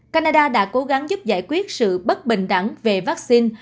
canada đã cố gắng giúp giải quyết sự bất bình đẳng về vắc xin